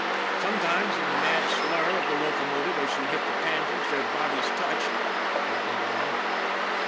Sometimes in the mad slur of the locomotive as she hit the tan gents their bodies touched ; that was all.